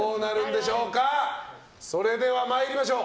それでは参りましょう。